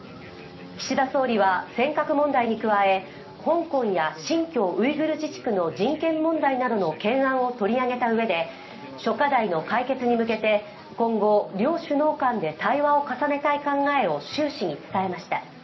岸田総理は尖閣問題に加え、香港や新疆ウイグル自治区の人権問題などの懸案を取り上げたうえで諸課題の解決に向けて今後、両首脳間で対話を重ねたい考えを習氏に伝えました。